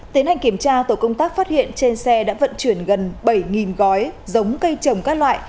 tiến hành kiểm tra tổ công tác phát hiện trên xe đã vận chuyển gần bảy gói giống cây trồng các loại